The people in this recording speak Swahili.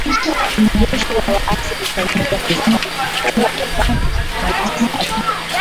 jeshi la waasi likaingia katika mji mkuu wa Cubanna Batista alitoroka